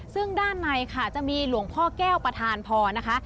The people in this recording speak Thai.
ซึ่งด้านในค่ะจะมีหลวงพ่อแก้วประธานพรนะคะ